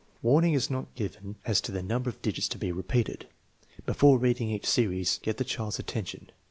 Warning is not given as to the number of digits to be repeated. Before reading each series, get the child's attention.